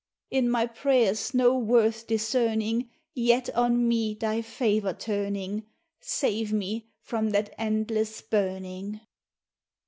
In my prayers no worth discerning, Yet on me Thy favor turning, Save me from that endless burning!